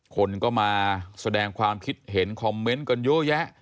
คนก็มาแสดงความคิดเห็นคอมเมนต์กันเยอะแยะ